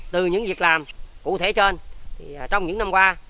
từ những việc làm cụ thể trên trong những năm qua